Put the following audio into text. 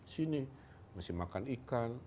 sini masih makan ikan